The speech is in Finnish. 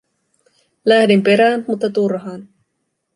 Lähdin perään, mutta turhaan.